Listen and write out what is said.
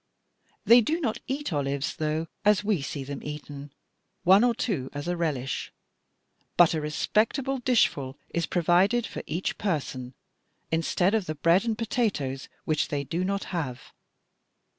They do not eat olives, though, as we see them eaten one or two as a relish; but a respectable dishful is provided for each person, instead of the bread and potatoes which they do not have."